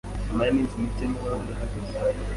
Nyuma yiminsi mike niho yahageze.